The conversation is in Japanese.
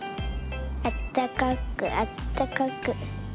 あったかくあったかく。